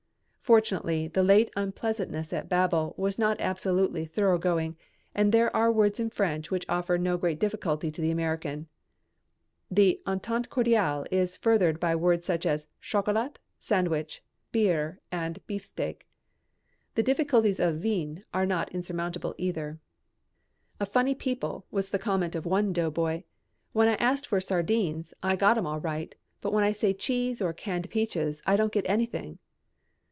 Fortunately the late unpleasantness at Babel was not absolutely thoroughgoing and there are words in French which offer no great difficulty to the American. The entente cordiale is furthered by words such as "chocolat," "sandwich," "biere" and "bifstek." The difficulties of "vin" are not insurmountable either. "A funny people," was the comment of one doughboy, "when I ask for 'sardines' I get 'em all right, but when I say 'cheese' or 'canned peaches' I don't get anything."